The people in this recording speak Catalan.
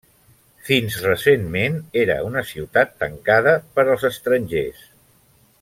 Fins recentment era una ciutat tancada per als estrangers.